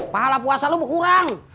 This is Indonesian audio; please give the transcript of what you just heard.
pahala puasa lu berkurang